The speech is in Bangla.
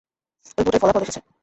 ওই ভোটের ফলাফল এসেছে!